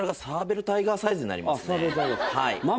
サーベルタイガーサイズになりますね。